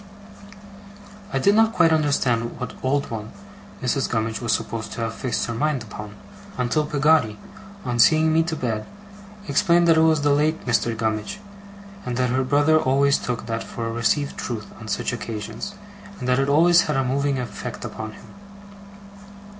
I did not quite understand what old one Mrs. Gummidge was supposed to have fixed her mind upon, until Peggotty, on seeing me to bed, explained that it was the late Mr. Gummidge; and that her brother always took that for a received truth on such occasions, and that it always had a moving effect upon him.